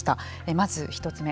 まず一つ目。